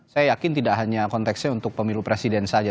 saya yakin tidak hanya konteksnya untuk pemilu presiden saja